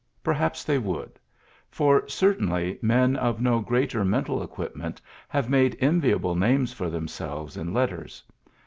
Perhaps they would 5 for, certainly, men of no greater mental equipment have made enviable names for themselves in letters.